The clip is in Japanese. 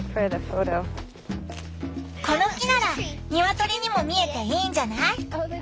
この木ならニワトリにも見えていいんじゃない？